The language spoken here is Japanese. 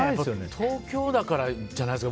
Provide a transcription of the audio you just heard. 東京だからじゃないですか。